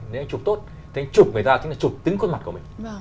nếu chụp tốt chụp người ta chính là chụp tính khuôn mặt của mình